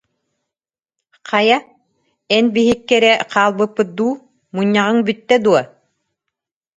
Хайа, эн биһикки эрэ хаалбыппыт дуу, мунньаҕыҥ бүттэ дуо